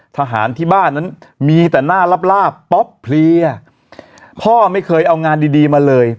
ทหารที่บ้านนั้นมีแต่หน้าลาบลาบป๊อปเพลียพ่อไม่เคยเอางานดีดีมาเลย